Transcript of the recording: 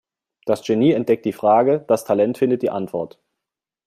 Das Genie entdeckt die Frage, das Talent findet die Antwort.